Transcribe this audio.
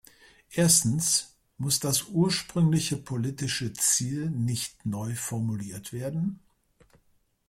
Erstens, muss das ursprüngliche politische Ziel nicht neu formuliert werden?